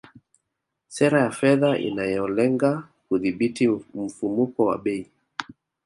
Sera ya fedha inayolenga kudhibiti mfumuko wa bei